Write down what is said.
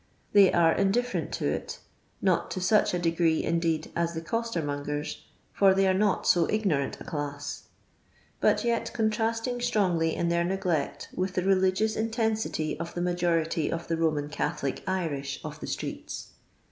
They are indif ferent to it — not to such a degree, indeed, as the costemiongers, for they arc not so ignorant a class — but yet contrasting strongly in their neglect with the religious intensity of the majority of the Boman Catholic Irish of the streets.